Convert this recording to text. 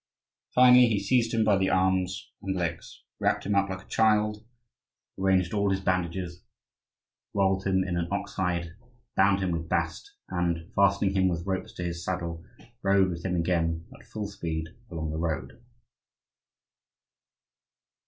Finally, he seized him by the arms and legs, wrapped him up like a child, arranged all his bandages, rolled him in an ox hide, bound him with bast, and, fastening him with ropes to his saddle, rode with him again at full speed along the road.